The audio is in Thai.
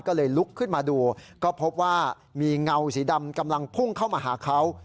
ก็เลยลุกขึ้นมาดูก็พบว่ามีเงาสีดำกำลังพุ่งเข้ามาหาเขา